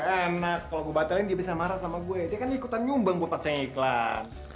enak kalau gue batalin dia bisa marah sama gue dia kan ikutan nyumbang buat saya iklan